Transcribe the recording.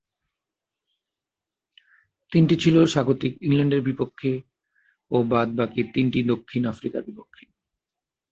তিনটি ছিল স্বাগতিক ইংল্যান্ডের বিপক্ষে ও বাদ-বাকী তিনটি দক্ষিণ আফ্রিকার বিপক্ষে।